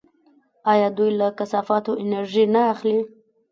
آیا دوی له کثافاتو انرژي نه اخلي؟